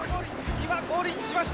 今ゴールインしました！